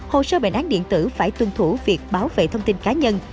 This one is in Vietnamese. hồ sơ bệnh án điện tử phải tuân thủ việc bảo vệ thông tin cá nhân